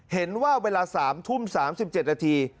เห็นว่าเวลา๓ทุ่ม๓๗นาที